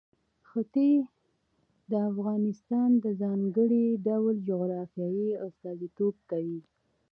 ښتې د افغانستان د ځانګړي ډول جغرافیه استازیتوب کوي.